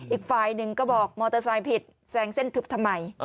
อีกฝ่ายหนึ่งก็บอกมอเตอร์ไซค์ผิดแซงเส้นทึบทำไม